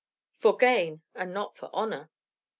"For gain, and not for honor."